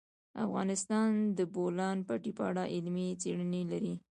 افغانستان د د بولان پټي په اړه علمي څېړنې لري.